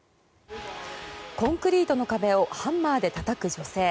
コンクリートの壁をハンマーでたたく女性。